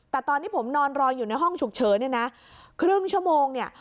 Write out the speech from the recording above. แต่ตอนที่ผมนอนรออยู่ในห้องฉุกเฉินเนี่ยนะครึ่งชั่วโมงเนี่ย